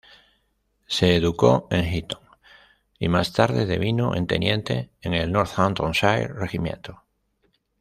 Se educó en Eton y más tarde devino en teniente en el Northamptonshire Regimiento.